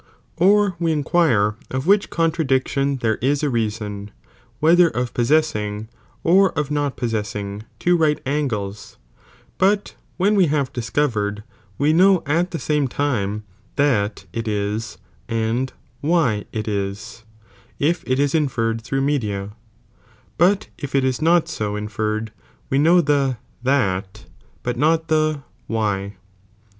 Or we (inquire) of which con tradiction there is a reason, whether of possessing, or of not possessing, two right angles, but when we have discovered, we know at the same time, that it is, and why it is, if it is inferred through media;')' but if it is not so in »g,BekkM ferred, we know the that, but not the why.